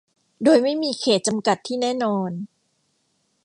โดยไม่มีเขตต์จำกัดที่แน่นอน